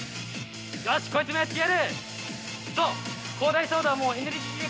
よしこいつもやってやる！